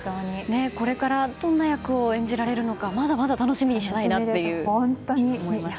これから、どんな役を演じられるかまだまだ楽しみだなと思いました。